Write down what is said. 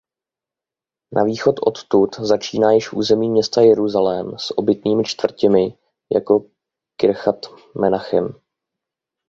Na východ odtud začíná již území města Jeruzalém s obytnými čtvrtěmi jako Kirjat Menachem.